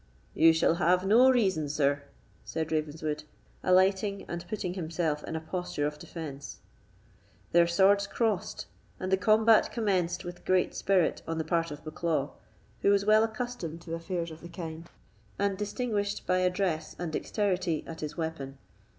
"You shall have no reason, sir," said Ravenswood, alighting, and putting himself into a posture of defence. Their swords crossed, and the combat commenced with great spirit on the part of Bucklaw, who was well accustomed to affairs of the kind, and distinguished by address and dexterity at his weapon.